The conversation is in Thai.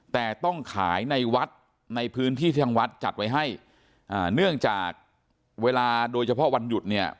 แต่ต้องขายในวัดในพื้นที่ที่ทางวัดจัดไว้ให้อ่าเนื่องจากเวลาโดยเฉพาะวันหยุดเนี่ย